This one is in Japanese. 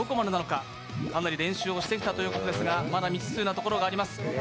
かなり練習をしてきたということですがまだ未知数なところがあります。